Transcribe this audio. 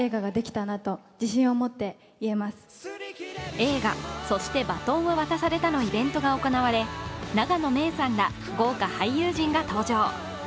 映画「そして、バトンは渡された」のイベントが行われ永野芽郁さんら豪華俳優陣が登場。